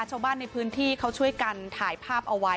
ชาวบ้านในพื้นที่เขาช่วยกันถ่ายภาพเอาไว้